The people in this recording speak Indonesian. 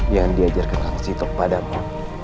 jangan diajarkan langsitok padamu